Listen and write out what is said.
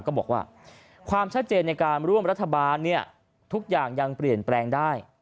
ก็บอกว่าความชัดเจนในการร่วมรัฐบาลเนี่ยทุกอย่างยังเปลี่ยนแปลงได้